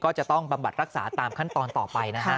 ก็จะต้องบำบัดรักษาตามขั้นตอนต่อไปนะฮะ